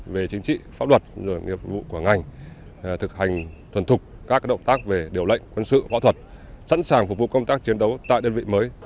về chính trị pháp luật nghiệp vụ của ngành thực hành thuần thục các động tác về điều lệnh quân sự võ thuật sẵn sàng phục vụ công tác chiến đấu tại đơn vị mới